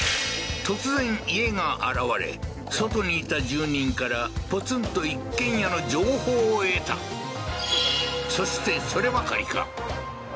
突然家が現れ外にいた住人からポツンと一軒家の情報を得たそしてそればかりかえっ？